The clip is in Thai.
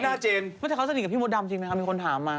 ผู้ชายเขาสนิทกับพี่มดดำจริงไหมครับมีคนถามมา